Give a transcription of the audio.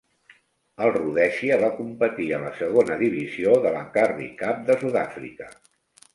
El Rhodèsia va competir a la segona divisió de la Currie Cup de Sud-àfrica.